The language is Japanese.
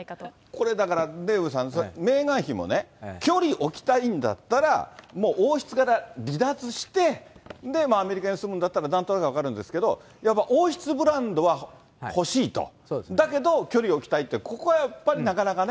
これ、だからデーブさん、メーガン妃もね、距離置きたいんだったら、もう王室から離脱して、アメリカに住むんだったらなんとなく分かるんですけど、やっぱ王室ブランドは欲しいと、だけど距離を置きたいって、ここはやっぱり、なかなかね。